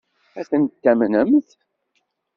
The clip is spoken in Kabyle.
Ad tent-tamnemt?